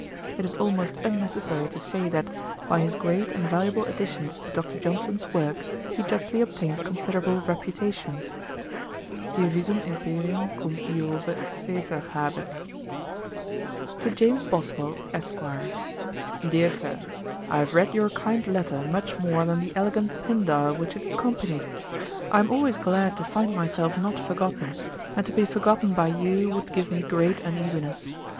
It is almost unnecessary to say, that by his great and valuable additions to Dr. Johnson's work, he justly obtained considerable reputation: 'Divisum imperium cum Jove Caesar habet.' 'To JAMES BOSWELL, ESQ. 'DEAR SIR, 'I have read your kind letter much more than the elegant Pindar which it accompanied. I am always glad to find myself not forgotten; and to be forgotten by you would give me great uneasiness.